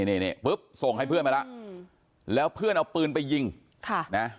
นี่ปุ๊บส่งให้เพื่อนมาแล้วแล้วเพื่อนเอาปืนไปยิงค่ะนะ